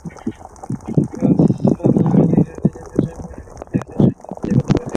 গাসসানীরা নিজেদের সৈন্য হিরাক্লিয়াসের সৈন্যের মাঝে একত্র করে দেয়।